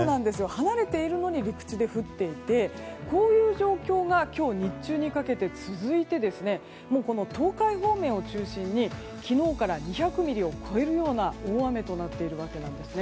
離れているのに陸地で降っていてこういう状況が今日日中にかけて続いて東海方面を中心に昨日から２００ミリを超えるような大雨となっているわけなんです。